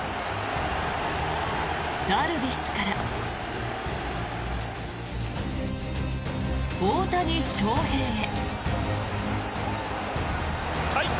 ダルビッシュから大谷翔平へ。